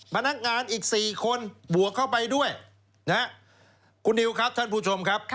พนักงานอีก๔คนบวกเข้าไปด้วยนะฮะคุณนิวครับท่านผู้ชมครับ